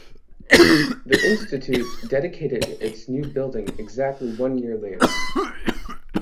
The institute dedicated its new building exactly one year later.